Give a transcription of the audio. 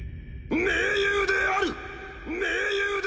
盟友である！